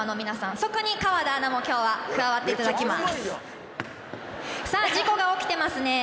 そこに川田アナも今日は加わっていただきます。